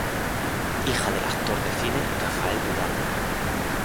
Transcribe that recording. Hija del actor de cine Rafael Durán.